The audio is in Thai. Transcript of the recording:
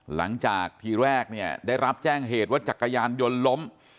หลังจากทีแรกเนี่ยได้รับแจ้งเหตุว่าจักรยานยนต์ล้ม